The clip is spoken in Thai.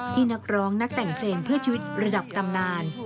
นักร้องนักแต่งเพลงเพื่อชีวิตระดับตำนาน